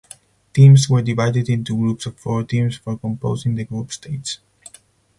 Teams were divided into groups of four teams for composing the group stage.